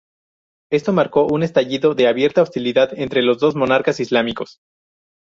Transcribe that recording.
Esto marcó un estallido de abierta hostilidad entre los dos monarcas islámicos.